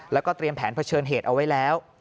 แล้วก็เตรียมแผนเผชิญเหตุเอาไว้แล้ว